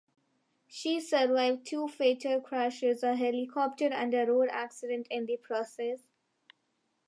She survived two fatal crashes, a helicopter and a road accident, in the process.